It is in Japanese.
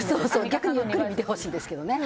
逆にゆっくり見てほしいですけどね。